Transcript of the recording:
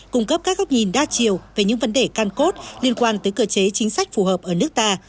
cung cấp các góc nhìn đa chiều về những vấn đề can cốt liên quan tới cửa chế chính sách phù hợp ở nước ta